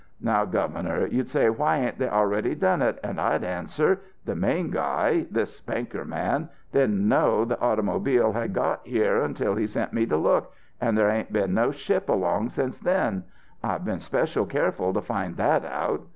"'Now, Governor, you'd say why ain't they already done it; an' I'd answer, the main guy this banker man didn't know the automobile had got here until he sent me to look, and there ain't been no ship along since then.... I've been special careful to find that out.'